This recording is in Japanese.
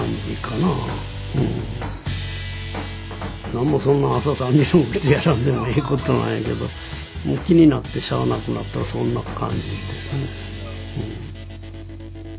なんもそんな朝３時に起きてやらんでもええことなんやけど気になってしゃあなくなったらそんな感じですね。